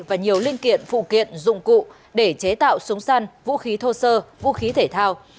và nhiều linh kiện phụ kiện dụng cụ để chế tạo súng săn vũ khí thô sơ vũ khí thể thao